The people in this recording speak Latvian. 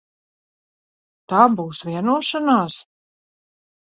Tā būs vienošanās?